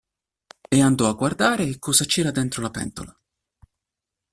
E andò a guardare cosa c'era dentro la pentola.